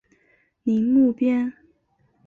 宁木边。